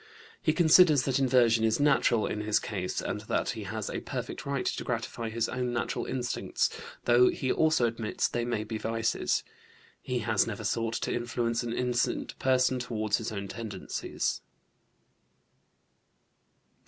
He considers that inversion is natural in his case and that he has a perfect right to gratify his own natural instincts, though he also admits they may be vices. He has never sought to influence an innocent person toward his own tendencies.